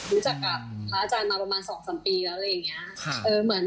รู้จักกับพระอาจารย์มาประมาณ๒๓ปีแล้วอะไรอย่างนี้